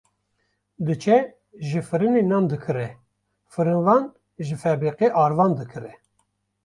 diçe ji firinê nan dikire, firinvan ji febrîqê arvan dikire.